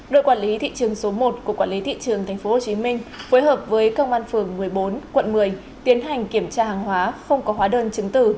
đội quản lý thị trường số một của quản lý thị trường tp hcm phối hợp với công an phường một mươi bốn quận một mươi tiến hành kiểm tra hàng hóa không có hóa đơn chứng tử